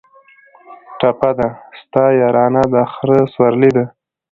ټپه ده: ستا یارانه د خره سورلي ده